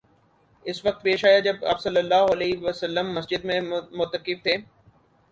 اس وقت پیش آیا جب آپ صلی اللہ علیہ وسلم مسجد میں معتکف تھے